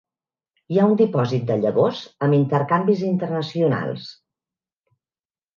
Hi ha un dipòsit de llavors amb intercanvis internacionals.